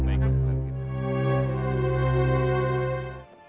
saya tetap berbicara